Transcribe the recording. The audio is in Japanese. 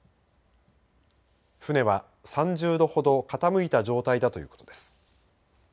船は３０度ほど傾いた状態だということです。